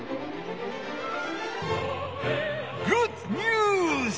グッド・ニュース！